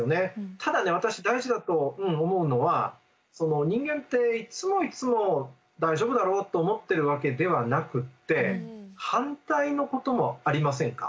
ただね私大事だと思うのは人間っていっつもいっつも大丈夫だろうと思ってるわけではなくって反対のこともありませんか？